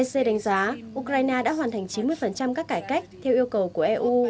ec đánh giá ukraine đã hoàn thành chín mươi các cải cách theo yêu cầu của eu